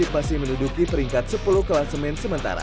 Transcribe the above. masih menduduki peringkat sepuluh kelas men sementara